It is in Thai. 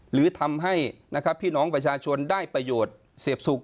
หรือทำให้พี่น้องประชาชนได้ประโยชน์เสียบสุข